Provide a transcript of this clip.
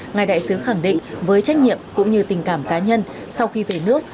ngài đại sứ khẳng định với trách nhiệm cũng như tình cảm cá nhân sau khi về nước